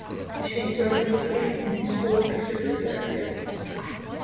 She enjoyed participating in her school's extracurricular activities.